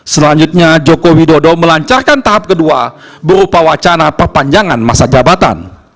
selanjutnya joko widodo melancarkan tahap kedua berupa wacana perpanjangan masa jabatan